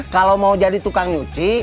kalau mau jadi tukang nyuci